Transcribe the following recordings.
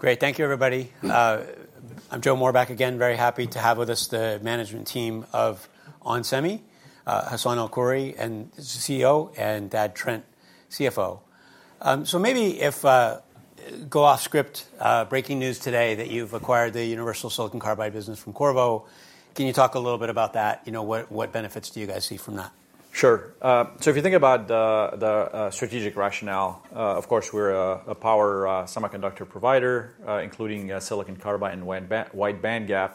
Great. Thank you, everybody. I'm Joe Moore back again, very happy to have with us the management team of onsemi, Hassane El-Khoury, CEO, and Thad Trent, CFO. So maybe if we go off script, breaking news today that you've acquired the United Silicon Carbide business from Qorvo. Can you talk a little bit about that? You know, what benefits do you guys see from that? Sure. So if you think about the strategic rationale, of course, we're a power semiconductor provider, including silicon carbide and wide bandgap.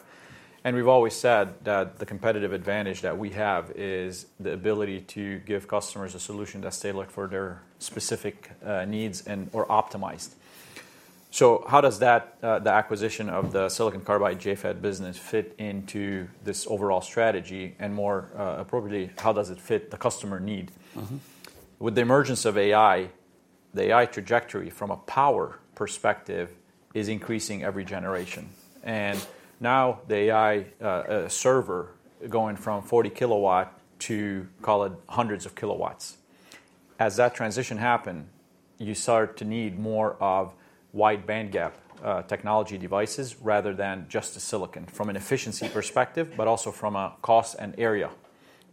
And we've always said that the competitive advantage that we have is the ability to give customers a solution that's tailored for their specific needs and/or optimized. So how does that, the acquisition of the silicon carbide JFET business, fit into this overall strategy? And more appropriately, how does it fit the customer need? With the emergence of AI, the AI trajectory from a power perspective is increasing every generation. And now the AI server is going from 40 kW to, call it, hundreds of kilowatts. As that transition happens, you start to need more of wide bandgap technology devices rather than just the silicon, from an efficiency perspective, but also from a cost and area.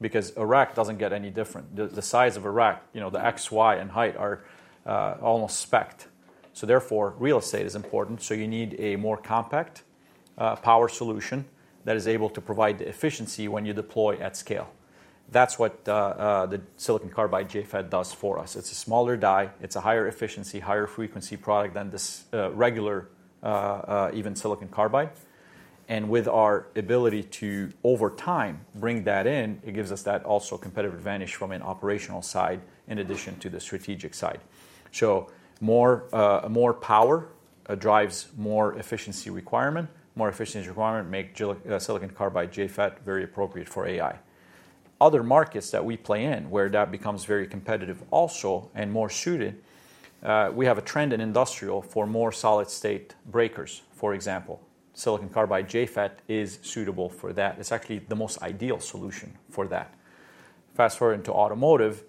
Because a rack doesn't get any different. The size of a rack, you know, the X, Y, and height are almost specced. So therefore, real estate is important. So you need a more compact power solution that is able to provide the efficiency when you deploy at scale. That's what the silicon carbide JFET does for us. It's a smaller die. It's a higher efficiency, higher frequency product than this regular, even silicon carbide. And with our ability to, over time, bring that in, it gives us that also competitive advantage from an operational side, in addition to the strategic side. So more power drives more efficiency requirement. More efficiency requirement makes silicon carbide JFET very appropriate for AI. Other markets that we play in, where that becomes very competitive also, and more suited, we have a trend in industrial for more solid-state breakers, for example. Silicon carbide JFET is suitable for that. It's actually the most ideal solution for that. Fast forward into automotive,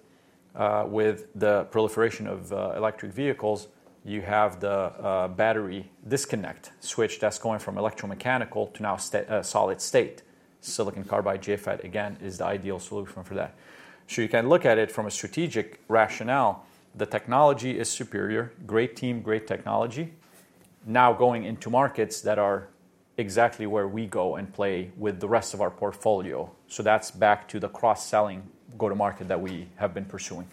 with the proliferation of electric vehicles, you have the battery disconnect switch that's going from electromechanical to now solid-state. Silicon carbide JFET, again, is the ideal solution for that. So you can look at it from a strategic rationale. The technology is superior, great team, great technology, now going into markets that are exactly where we go and play with the rest of our portfolio. So that's back to the cross-selling go-to-market that we have been pursuing.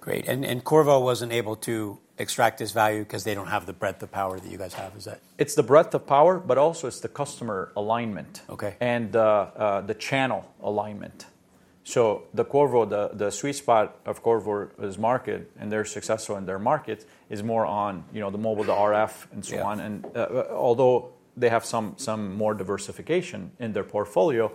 Great. And Qorvo wasn't able to extract this value because they don't have the breadth of power that you guys have. Is that? It's the breadth of power, but also it's the customer alignment and the channel alignment. So the Qorvo, the sweet spot of Qorvo's market, and they're successful in their market, is more on, you know, the mobile, the RF, and so on. And although they have some more diversification in their portfolio,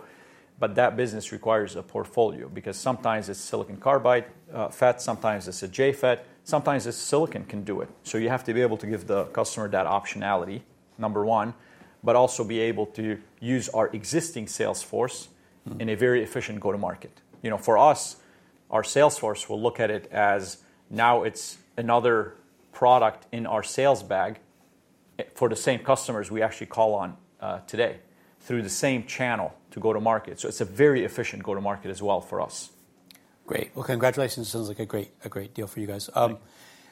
that business requires a portfolio. Because sometimes it's silicon carbide FET, sometimes it's a JFET, sometimes silicon can do it. So you have to be able to give the customer that optionality, number one, but also be able to use our existing sales force in a very efficient go-to-market. You know, for us, our sales force will look at it as now it's another product in our sales bag for the same customers we actually call on today, through the same channel to go-to-market. So it's a very efficient go-to-market as well for us. Great. Well, congratulations. Sounds like a great deal for you guys.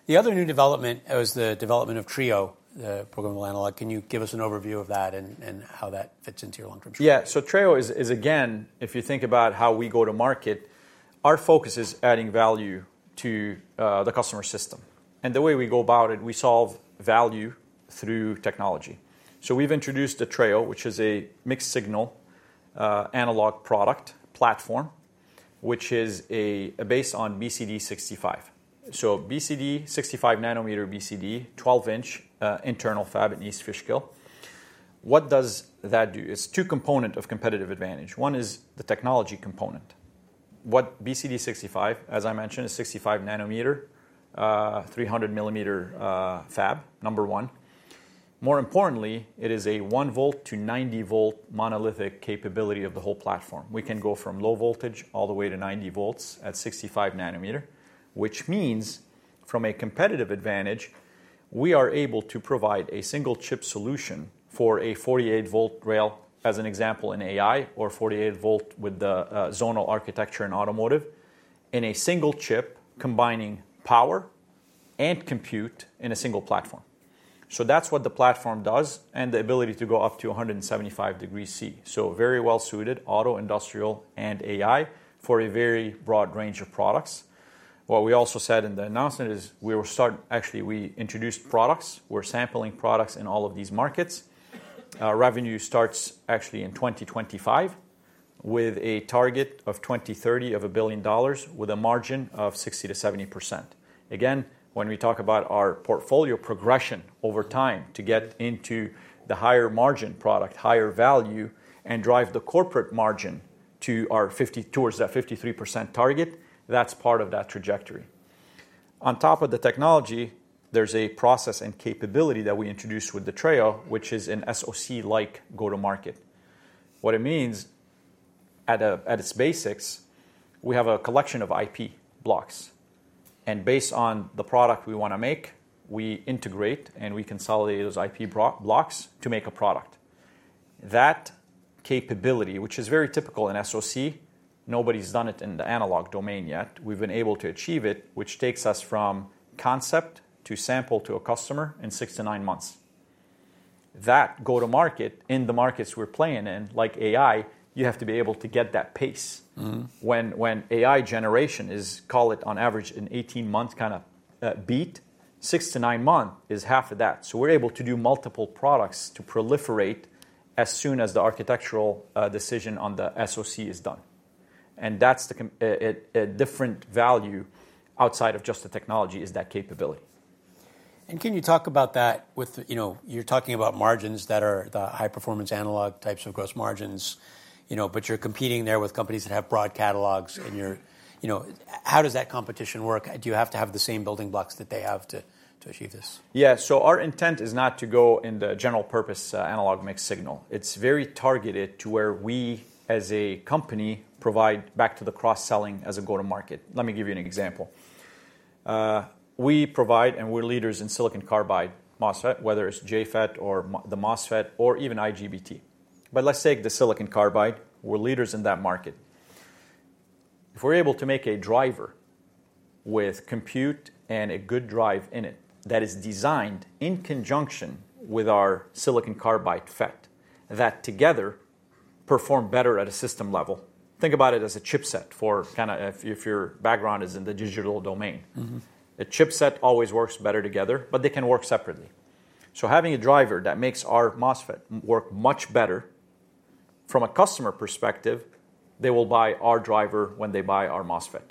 The other new development was the development of Treo, the programmable analog. Can you give us an overview of that and how that fits into your long-term strategy? Yeah. So Treo is, again, if you think about how we go-to-market, our focus is adding value to the customer system. And the way we go about it, we solve value through technology. So we've introduced the Treo, which is a mixed-signal analog product platform, which is based on BCD 65. So BCD 65nm BCD 12-inch internal fab at East Fishkill. What does that do? It's two components of competitive advantage. One is the technology component. BCD 65, as I mentioned, is 65nm, 300 mm fab, number one. More importantly, it is a 1 V-90 V monolithic capability of the whole platform. We can go from low voltage all the way to 90 V at 65 nm, which means from a competitive advantage, we are able to provide a single-chip solution for a 48 V rail, as an example, in AI, or 48 V with the zonal architecture in automotive, in a single chip, combining power and compute in a single platform. So that's what the platform does, and the ability to go up to 175 degrees Celsius. So very well-suited, auto, industrial, and AI for a very broad range of products. What we also said in the announcement is we were starting, actually, we introduced products. We're sampling products in all of these markets. Revenue starts actually in 2025 with a target of 2030 of $1 billion, with a margin of 60%-70%. Again, when we talk about our portfolio progression over time to get into the higher-margin product, higher value, and drive the corporate margin towards that 53% target, that's part of that trajectory. On top of the technology, there's a process and capability that we introduced with the Treo, which is an SoC-like go-to-market. What it means, at its basics, we have a collection of IP blocks. And based on the product we want to make, we integrate and we consolidate those IP blocks to make a product. That capability, which is very typical in SoC, nobody's done it in the analog domain yet. We've been able to achieve it, which takes us from concept to sample to a customer in six to nine months. That go-to-market in the markets we're playing in, like AI, you have to be able to get that pace. When AI generation is, call it, on average, an 18-month kind of beat, six to nine months is half of that. We're able to do multiple products to proliferate as soon as the architectural decision on the SoC is done. That's a different value outside of just the technology is that capability. Can you talk about that with, you know, you're talking about margins that are the high-performance analog types of gross margins, you know, but you're competing there with companies that have broad catalogs in your, you know, how does that competition work? Do you have to have the same building blocks that they have to achieve this? Yeah. So our intent is not to go in the general-purpose analog mixed-signal. It's very targeted to where we, as a company, provide back to the cross-selling as a go-to-market. Let me give you an example. We provide, and we're leaders in silicon carbide MOSFET, whether it's JFET or the MOSFET, or even IGBT. But let's take the silicon carbide. We're leaders in that market. If we're able to make a driver with compute and a good driver in it that is designed in conjunction with our silicon carbide FET, that together perform better at a system level, think about it as a chipset for kind of if your background is in the digital domain. A chipset always works better together, but they can work separately. So having a driver that makes our MOSFET work much better, from a customer perspective, they will buy our driver when they buy our MOSFET.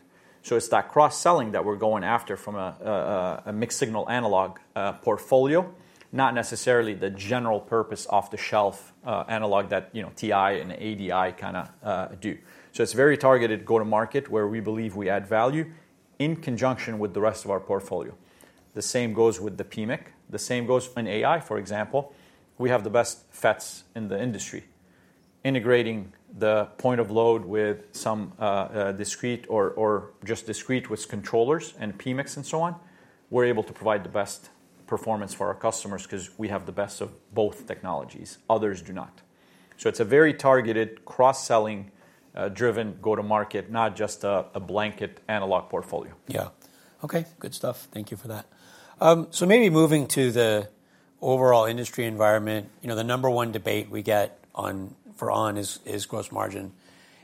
So it's that cross-selling that we're going after from a mixed-signal analog portfolio, not necessarily the general-purpose off-the-shelf analog that, you know, TI and ADI kind of do. So it's very targeted go-to-market where we believe we add value in conjunction with the rest of our portfolio. The same goes with the PMIC. The same goes in AI, for example. We have the best FETs in the industry. Integrating the point of load with some discrete or just discrete with controllers and PMICs and so on, we're able to provide the best performance for our customers because we have the best of both technologies. Others do not. So it's a very targeted, cross-selling-driven go-to-market, not just a blanket analog portfolio. Yeah. Okay. Good stuff. Thank you for that. So maybe moving to the overall industry environment, you know, the number one debate we get for onsemi is gross margin.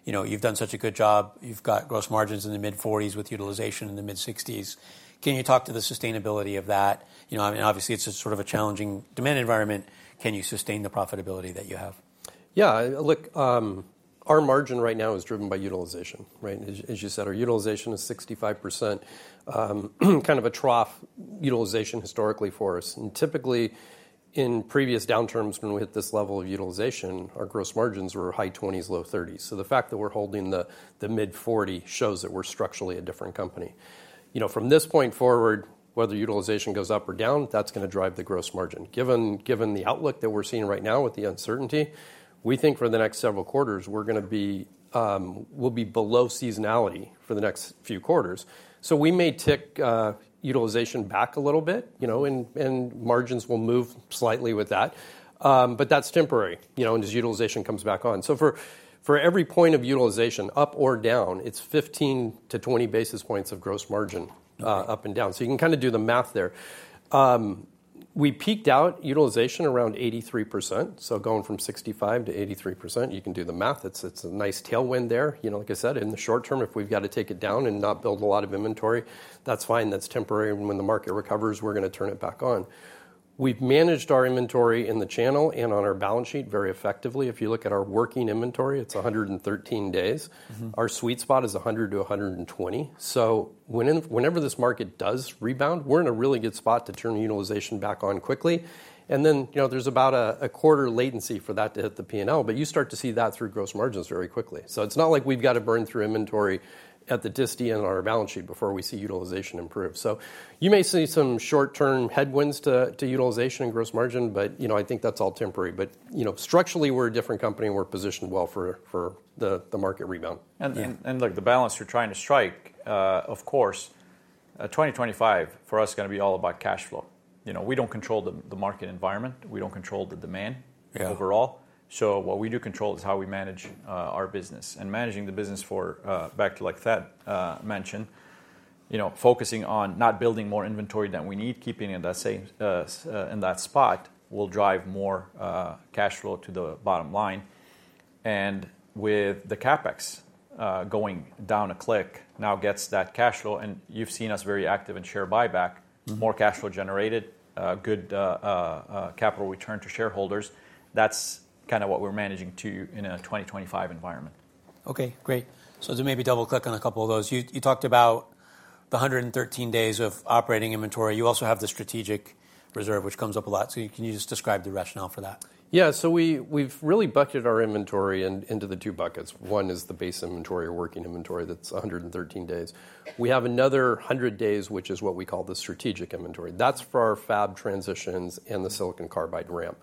You know, you've done such a good job. You've got gross margins in the mid-40s% with utilization in the mid-60s%. Can you talk to the sustainability of that? You know, I mean, obviously, it's sort of a challenging demand environment. Can you sustain the profitability that you have? Yeah. Look, our margin right now is driven by utilization, right? As you said, our utilization is 65%, kind of a trough utilization historically for us, and typically, in previous downturns, when we hit this level of utilization, our gross margins were high 20s, low 30s. So the fact that we're holding the mid-40 shows that we're structurally a different company. You know, from this point forward, whether utilization goes up or down, that's going to drive the gross margin. Given the outlook that we're seeing right now with the uncertainty, we think for the next several quarters, we're going to be, we'll be below seasonality for the next few quarters, so we may tick utilization back a little bit, you know, and margins will move slightly with that, but that's temporary, you know, and as utilization comes back on. For every point of utilization, up or down, it's 15-20 basis points of gross margin up and down. So you can kind of do the math there. We peaked out utilization around 83%. So going from 65%-83%, you can do the math. It's a nice tailwind there. You know, like I said, in the short term, if we've got to take it down and not build a lot of inventory, that's fine. That's temporary. And when the market recovers, we're going to turn it back on. We've managed our inventory in the channel and on our balance sheet very effectively. If you look at our working inventory, it's 113 days. Our sweet spot is 100-120. So whenever this market does rebound, we're in a really good spot to turn utilization back on quickly. Then, you know, there's about a quarter latency for that to hit the P&L. You start to see that through gross margins very quickly. It's not like we've got to burn through inventory at the disty and our balance sheet before we see utilization improve. You may see some short-term headwinds to utilization and gross margin, but, you know, I think that's all temporary. You know, structurally, we're a different company. We're positioned well for the market rebound. Look, the balance you're trying to strike, of course, 2025 for us is going to be all about cash flow. You know, we don't control the market environment. We don't control the demand overall. So what we do control is how we manage our business. And managing the business for, back to like Thad mentioned, you know, focusing on not building more inventory than we need, keeping it in that spot will drive more cash flow to the bottom line. And with the CapEx going down a click now gets that cash flow, and you've seen us very active in share buyback, more cash flow generated, good capital return to shareholders. That's kind of what we're managing too in a 2025 environment. Okay. Great. So to maybe double-click on a couple of those, you talked about the 113 days of operating inventory. You also have the strategic reserve, which comes up a lot. So can you just describe the rationale for that? Yeah. So we've really bucketed our inventory into the two buckets. One is the base inventory, our working inventory that's 113 days. We have another 100 days, which is what we call the strategic inventory. That's for our fab transitions and the silicon carbide ramp.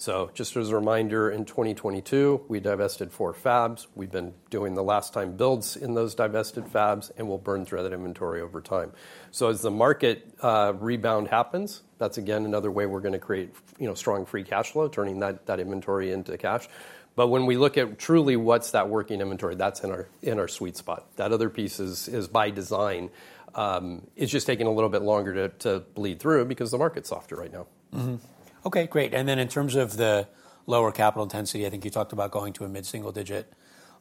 So just as a reminder, in 2022, we divested four fabs. We've been doing the last-time builds in those divested fabs, and we'll burn through that inventory over time. So as the market rebound happens, that's, again, another way we're going to create, you know, strong free cash flow, turning that inventory into cash. But when we look at truly what's that working inventory, that's in our sweet spot. That other piece is by design. It's just taking a little bit longer to bleed through because the market's softer right now. Okay. Great. And then in terms of the lower capital intensity, I think you talked about going to a mid-single-digit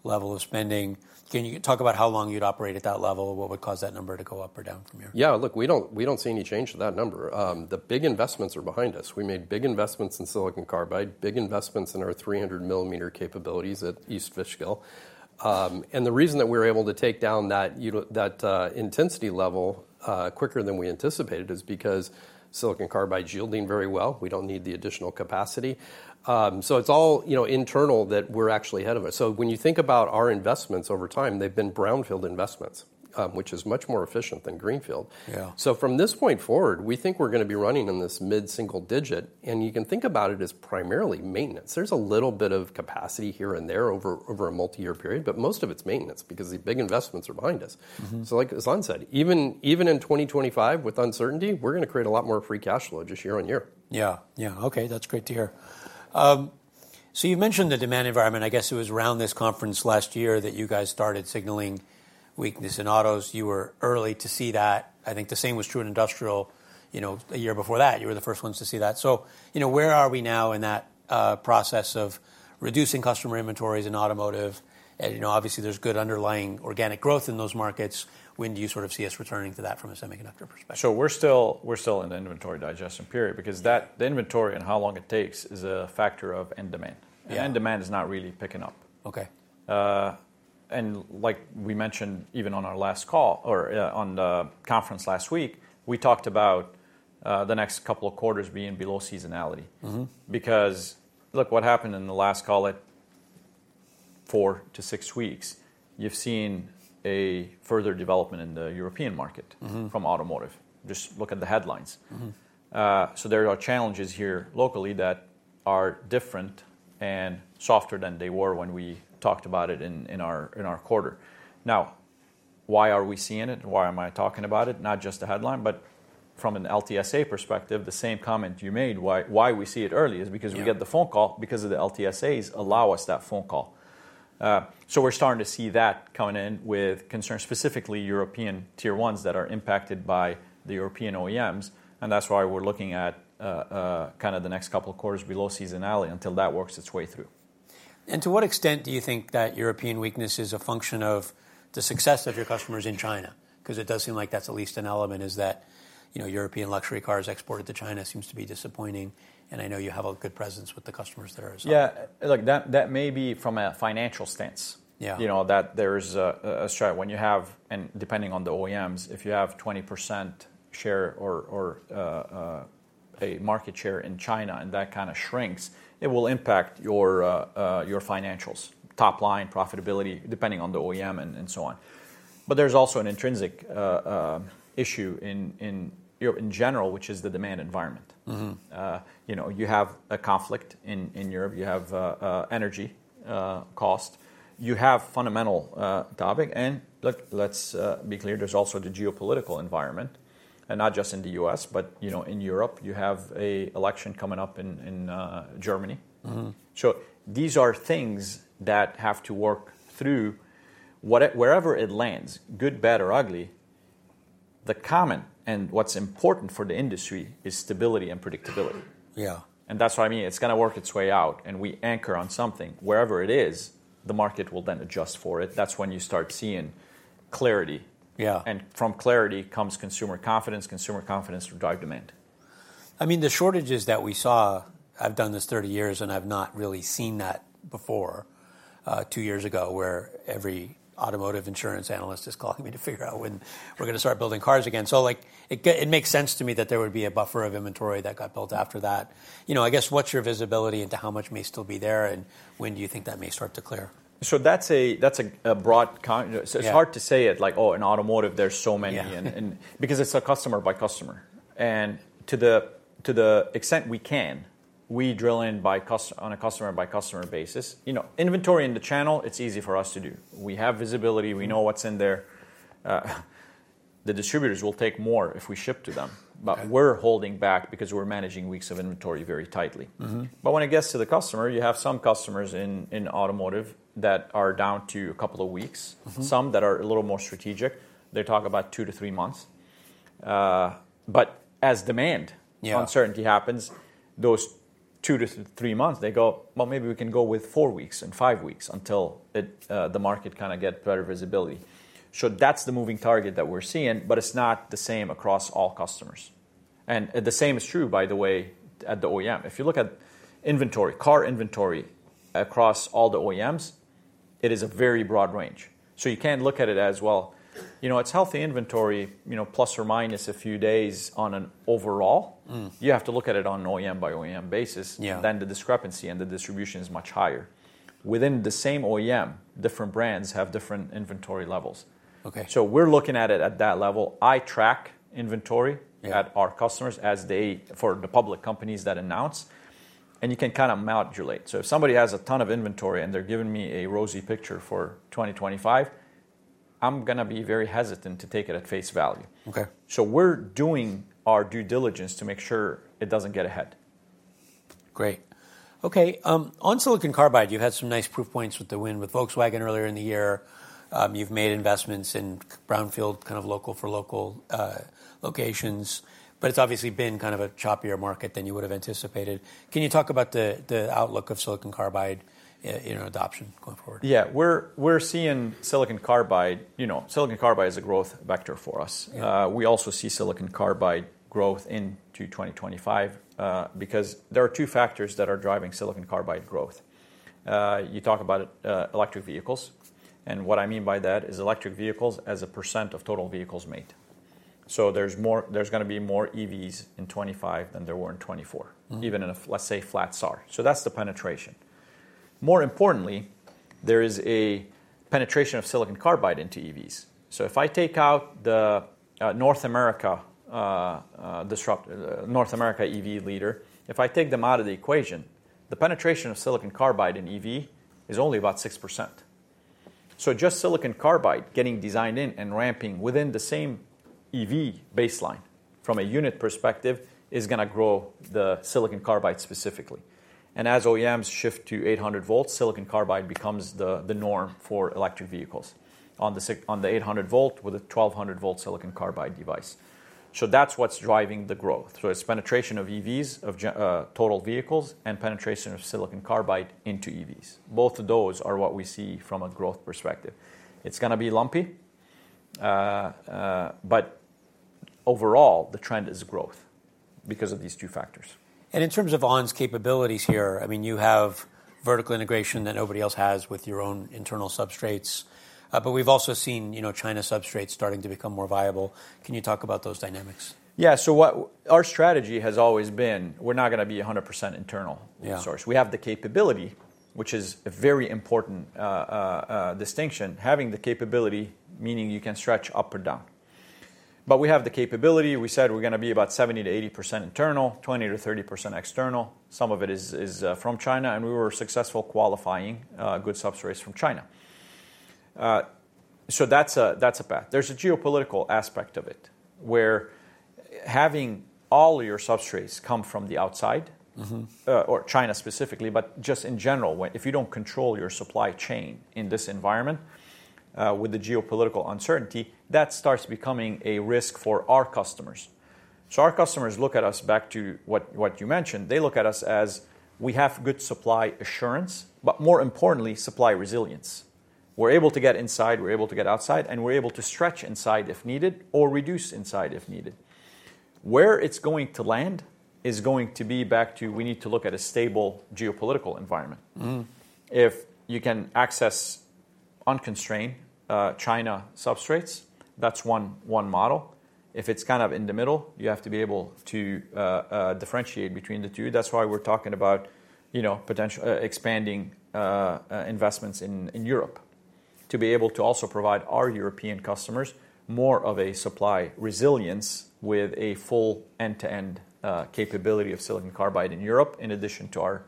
level of spending. Can you talk about how long you'd operate at that level? What would cause that number to go up or down from here? Yeah. Look, we don't see any change to that number. The big investments are behind us. We made big investments in silicon carbide, big investments in our 300 mm capabilities at East Fishkill. And the reason that we were able to take down that intensity level quicker than we anticipated is because silicon carbide's yielding very well. We don't need the additional capacity. So it's all, you know, internal that we're actually ahead of us. So when you think about our investments over time, they've been brownfield investments, which is much more efficient than greenfield. So from this point forward, we think we're going to be running in this mid-single digit. And you can think about it as primarily maintenance. There's a little bit of capacity here and there over a multi-year period, but most of it's maintenance because the big investments are behind us. So like as Hassane said, even in 2025 with uncertainty, we're going to create a lot more free cash flow just year on year. Yeah. Yeah. Okay. That's great to hear. So you mentioned the demand environment. I guess it was around this conference last year that you guys started signaling weakness in autos. You were early to see that. I think the same was true in industrial. You know, a year before that, you were the first ones to see that. So, you know, where are we now in that process of reducing customer inventories in automotive? And, you know, obviously, there's good underlying organic growth in those markets. When do you sort of see us returning to that from a semiconductor perspective? So we're still in the inventory digestion period because that inventory and how long it takes is a factor of end demand. End demand is not really picking up. Okay. And, like we mentioned, even on our last call or on the conference last week, we talked about the next couple of quarters being below seasonality because look what happened in the last four to six weeks. You've seen a further development in the European market from automotive. Just look at the headlines. So there are challenges here locally that are different and softer than they were when we talked about it in our quarter. Now, why are we seeing it? Why am I talking about it? Not just the headline, but from an LTSA perspective, the same comment you made, why we see it early is because we get the phone call because the LTSAs allow us that phone call. So we're starting to see that coming in with concern, specifically European Tier 1s that are impacted by the European OEMs. That's why we're looking at kind of the next couple of quarters below seasonality until that works its way through. To what extent do you think that European weakness is a function of the success of your customers in China? Because it does seem like that's at least an element is that, you know, European luxury cars exported to China seems to be disappointing. I know you have a good presence with the customers there as well. Yeah. Look, that may be from a financial stance, you know, that there is a slide. When you have, and depending on the OEMs, if you have 20% share or a market share in China and that kind of shrinks, it will impact your financials, top line, profitability, depending on the OEM and so on. But there's also an intrinsic issue in general, which is the demand environment. You know, you have a conflict in Europe. You have energy cost. You have fundamental topic. And look, let's be clear. There's also the geopolitical environment. And not just in the U.S., but, you know, in Europe, you have an election coming up in Germany. So these are things that have to work through wherever it lands, good, bad, or ugly. The common thread and what's important for the industry is stability and predictability. Yeah. And that's why I mean, it's going to work its way out. And we anchor on something. Wherever it is, the market will then adjust for it. That's when you start seeing clarity. Yeah. From clarity comes consumer confidence. Consumer confidence will drive demand. I mean, the shortages that we saw. I've done this 30 years and I've not really seen that before two years ago where every automotive insurance analyst is calling me to figure out when we're going to start building cars again. So like, it makes sense to me that there would be a buffer of inventory that got built after that. You know, I guess what's your visibility into how much may still be there and when do you think that may start to clear? So that's a broad one. It's hard to say, like, oh, in automotive, there's so many. And because it's customer by customer. And to the extent we can, we drill in on a customer-by-customer basis. You know, inventory in the channel, it's easy for us to do. We have visibility. We know what's in there. The distributors will take more if we ship to them. But we're holding back because we're managing weeks of inventory very tightly. But when it gets to the customer, you have some customers in automotive that are down to a couple of weeks, some that are a little more strategic. They talk about two to three months. But as demand uncertainty happens, those two to three months, they go, well, maybe we can go with four weeks and five weeks until the market kind of gets better visibility. So that's the moving target that we're seeing, but it's not the same across all customers. And the same is true, by the way, at the OEM. If you look at inventory, car inventory across all the OEMs, it is a very broad range. So you can't look at it as, well, you know, it's healthy inventory, you know, plus or minus a few days on an overall. You have to look at it on an OEM-by-OEM basis. Then the discrepancy and the distribution is much higher. Within the same OEM, different brands have different inventory levels. Okay. We're looking at it at that level. I track inventory at our customers as they do for the public companies that announce. You can kind of modulate. If somebody has a ton of inventory and they're giving me a rosy picture for 2025, I'm going to be very hesitant to take it at face value. Okay. We're doing our due diligence to make sure it doesn't get ahead. Great. Okay. On silicon carbide, you've had some nice proof points with the win with Volkswagen earlier in the year. You've made investments in brownfield, kind of local for local locations. But it's obviously been kind of a choppier market than you would have anticipated. Can you talk about the outlook of silicon carbide in adoption going forward? Yeah. We're seeing silicon carbide, you know, silicon carbide is a growth vector for us. We also see silicon carbide growth into 2025 because there are two factors that are driving silicon carbide growth. You talk about electric vehicles. And what I mean by that is electric vehicles as a percent of total vehicles made. So there's going to be more EVs in 2025 than there were in 2024, even in a, let's say, flat SAAR. So that's the penetration. More importantly, there is a penetration of silicon carbide into EVs. So if I take out the North America disruptor, North America EV leader, if I take them out of the equation, the penetration of silicon carbide in EV is only about 6%. So just silicon carbide getting designed in and ramping within the same EV baseline from a unit perspective is going to grow the silicon carbide specifically. As OEMs shift to 800 V, silicon carbide becomes the norm for electric vehicles on the 800 V with a 1200 V silicon carbide device. That's what's driving the growth. It's penetration of EVs, of total vehicles, and penetration of silicon carbide into EVs. Both of those are what we see from a growth perspective. It's going to be lumpy. Overall, the trend is growth because of these two factors. In terms of on's capabilities here, I mean, you have vertical integration that nobody else has with your own internal substrates. But we've also seen, you know, China substrates starting to become more viable. Can you talk about those dynamics? Yeah. So our strategy has always been we're not going to be 100% internal source. We have the capability, which is a very important distinction. Having the capability meaning you can stretch up or down. But we have the capability. We said we're going to be about 70%-80% internal, 20%-30% external. Some of it is from China. And we were successfully qualifying good substrates from China. So that's a path. There's a geopolitical aspect of it where having all your substrates come from the outside, or China specifically, but just in general, if you don't control your supply chain in this environment with the geopolitical uncertainty, that starts becoming a risk for our customers. So our customers look to us, back to what you mentioned. They look to us as we have good supply assurance, but more importantly, supply resilience. We're able to get inside. We're able to get outside and we're able to stretch inside if needed or reduce inside if needed. Where it's going to land is going to be back to we need to look at a stable geopolitical environment. If you can access unconstrained China substrates, that's one model. If it's kind of in the middle, you have to be able to differentiate between the two. That's why we're talking about, you know, potential expanding investments in Europe to be able to also provide our European customers more of a supply resilience with a full end-to-end capability of silicon carbide in Europe in addition to our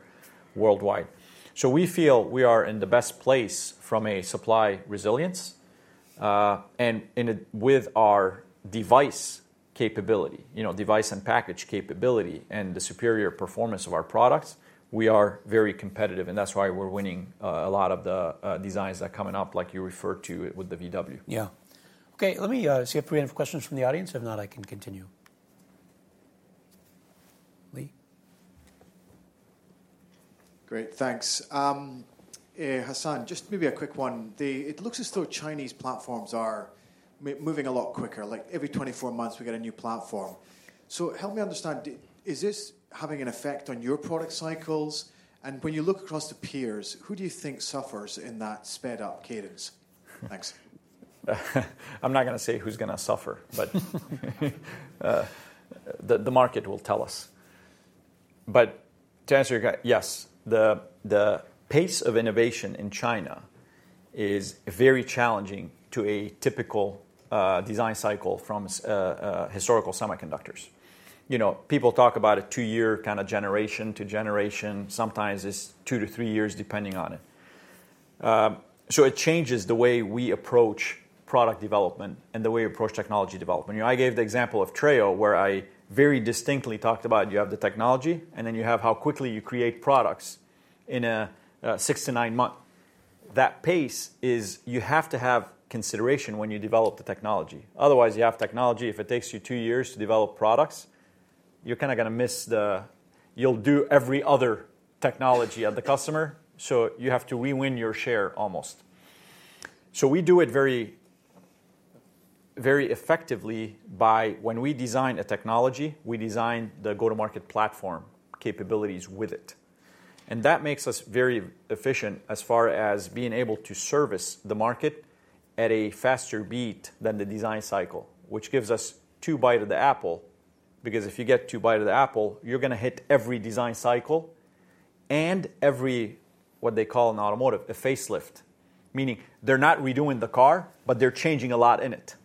worldwide. So we feel we are in the best place from a supply resilience and with our device capability, you know, device and package capability and the superior performance of our products, we are very competitive. And that's why we're winning a lot of the designs that are coming up, like you referred to with the VW. Yeah. Okay. Let me see if we have questions from the audience. If not, I can continue. Lee? Great. Thanks. Hassane, just maybe a quick one. It looks as though Chinese platforms are moving a lot quicker. Like every 24 months, we get a new platform. So help me understand, is this having an effect on your product cycles? And when you look across the peers, who do you think suffers in that sped-up cadence? Thanks. I'm not going to say who's going to suffer, but the market will tell us. But to answer your question, yes. The pace of innovation in China is very challenging to a typical design cycle from historical semiconductors. You know, people talk about a two-year kind of generation to generation. Sometimes it's two to three years, depending on it. So it changes the way we approach product development and the way we approach technology development. You know, I gave the example of Treo where I very distinctly talked about you have the technology and then you have how quickly you create products in a six- to nine-month. That pace is you have to have consideration when you develop the technology. Otherwise, you have technology. If it takes you two years to develop products, you're kind of going to miss. You'll do every other technology at the customer. So you have to rewin your share almost, so we do it very effectively by when we design a technology, we design the go-to-market platform capabilities with it. And that makes us very efficient as far as being able to service the market at a faster beat than the design cycle, which gives us two bite of the apple because if you get two bite of the apple, you're going to hit every design cycle and every what they call in automotive, a facelift, meaning they're not redoing the car, but they're changing a lot in it.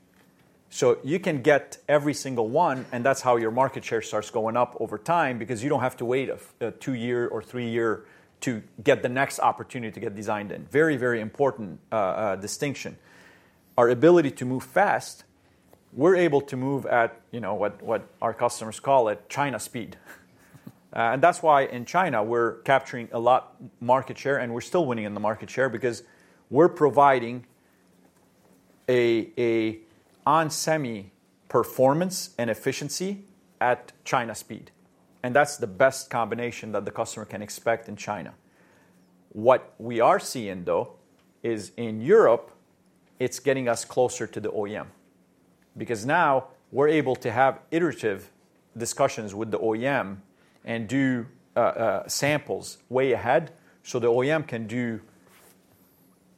So you can get every single one, and that's how your market share starts going up over time because you don't have to wait a two-year or three-year to get the next opportunity to get designed in. Very, very important distinction. Our ability to move fast, we're able to move at, you know, what our customers call it, China speed. And that's why in China, we're capturing a lot of market share. And we're still winning in the market share because we're providing an onsemi performance and efficiency at China speed. And that's the best combination that the customer can expect in China. What we are seeing, though, is in Europe, it's getting us closer to the OEM because now we're able to have iterative discussions with the OEM and do samples way ahead. So the OEM can do,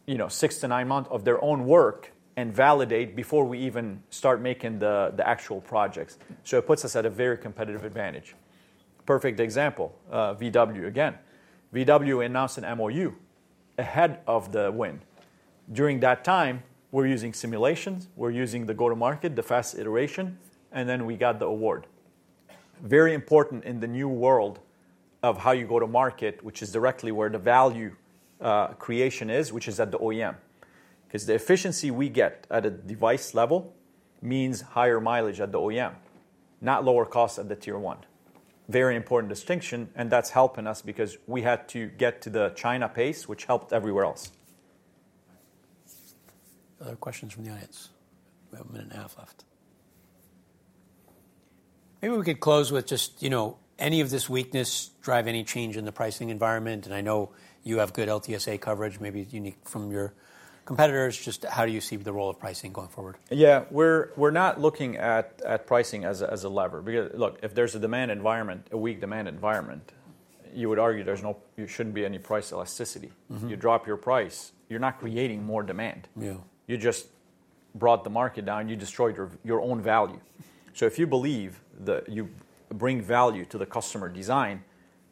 you know, six to nine months of their own work and validate before we even start making the actual projects. So it puts us at a very competitive advantage. Perfect example, VW again. VW announced an MOU ahead of the win. During that time, we're using simulations. We're using the go-to-market, the fast iteration, and then we got the award. Very important in the new world of how you go to market, which is directly where the value creation is, which is at the OEM because the efficiency we get at a device level means higher mileage at the OEM, not lower cost at the Tier 1. Very important distinction, and that's helping us because we had to get to the China pace, which helped everywhere else. Other questions from the audience? We have a minute and a half left. Maybe we could close with just, you know, any of this weakness drive any change in the pricing environment? And I know you have good LTSA coverage. Maybe you need from your competitors. Just how do you see the role of pricing going forward? Yeah. We're not looking at pricing as a lever because, look, if there's a demand environment, a weak demand environment, you would argue there's no, there shouldn't be any price elasticity. You drop your price, you're not creating more demand. Yeah. You just brought the market down. You destroyed your own value. So if you believe that you bring value to the customer design,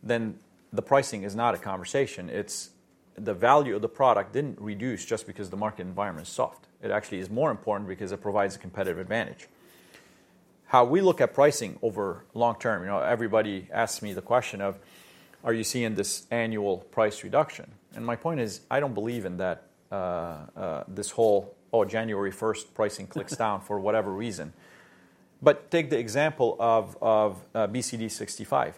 then the pricing is not a conversation. It's the value of the product didn't reduce just because the market environment is soft. It actually is more important because it provides a competitive advantage. How we look at pricing over long-term, you know, everybody asks me the question of, are you seeing this annual price reduction? And my point is, I don't believe in that this whole, oh, January 1st pricing clicks down for whatever reason. But take the example of BCD 65.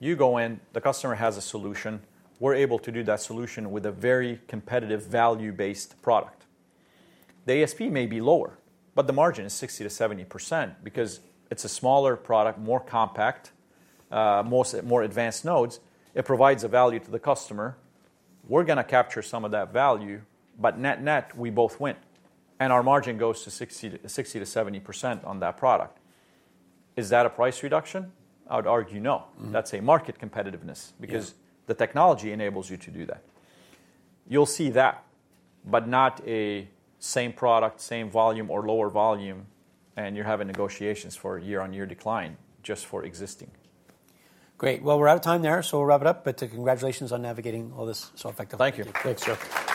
You go in, the customer has a solution. We're able to do that solution with a very competitive value-based product. The ASP may be lower, but the margin is 60%-70% because it's a smaller product, more compact, more advanced nodes. It provides a value to the customer. We're going to capture some of that value, but net net, we both win, and our margin goes to 60%-70% on that product. Is that a price reduction? I would argue no. That's a market competitiveness because the technology enables you to do that. You'll see that, but not a same product, same volume, or lower volume, and you're having negotiations for a year-on-year decline just for existing. Great. Well, we're out of time there. So we'll wrap it up. But congratulations on navigating all this so effectively. Thank you. Thanks, Joe.